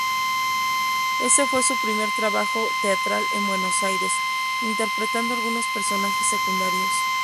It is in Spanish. Ese fue su primer trabajo teatral en Buenos Aires, interpretando algunos personajes secundarios.